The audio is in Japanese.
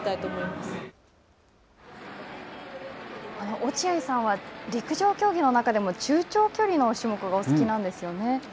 落合さんは、陸上競技の中でも中長距離の種目がお好きなんですよね。